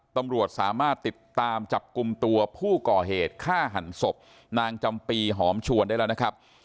ตำรวจสามารถติดตามจับกลุ่มตัวผู้ก่อเหตุฆ่าหันศพนางจำปีหอมชวนได้แล้วนะครับ